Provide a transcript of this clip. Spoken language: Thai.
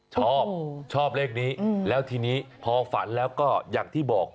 ชอบชอบเลขนี้แล้วทีนี้พอฝันแล้วก็อย่างที่บอก